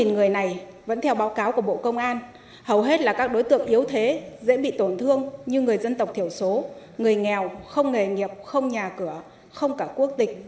một mươi người này vẫn theo báo cáo của bộ công an hầu hết là các đối tượng yếu thế dễ bị tổn thương như người dân tộc thiểu số người nghèo không nghề nghiệp không nhà cửa không cả quốc tịch